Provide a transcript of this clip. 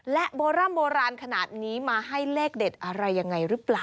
และโบร่ำโบราณขนาดนี้มาให้เลขเด็ดอะไรยังไงหรือเปล่า